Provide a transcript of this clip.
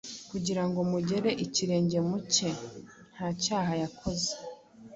kugira ngo mugere ikirenge mu cye: nta cyaha yakoze,